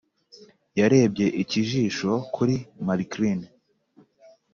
yarebye ikijisho kuri marcline,